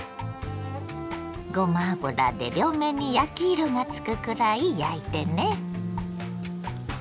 ごま油で両面に焼き色がつくくらい焼いてね。